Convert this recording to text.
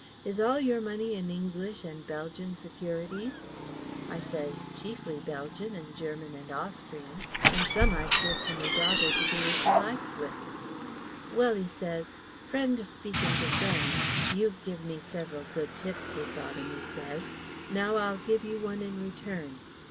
Is all your money in English and Belgian securities?' I says 'Chiefly Belgian and German and Austrian, and some I've giv' to me daughter to do as she likes with.' 'Well' 'e says, 'friend speakin' to friend, you've giv' me several good tips this autumn,' he says. 'Now I'll give you one in return.